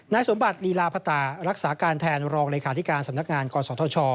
สมบัติลีลาพตารักษาการแทนรองเลขาธิการสำนักงานกศธช